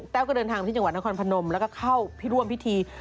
ก็เดินทางที่จังหวัดนครพนมแล้วก็เข้าร่วมพิธี